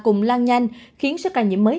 cùng lan nhanh khiến sức ca nhiễm mới